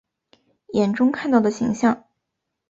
眼中看到的形象